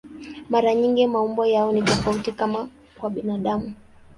Mara nyingi maumbo yao ni tofauti, kama kwa binadamu.